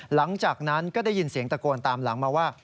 หลังจากนั้นก็ได้ยินเสียงตะโกนตามหลังมาว่า